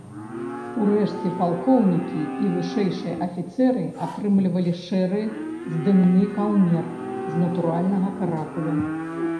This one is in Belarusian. Урэшце палкоўнікі і вышэйшыя афіцэры атрымлівалі шэры здымны каўнер з натуральнага каракулю.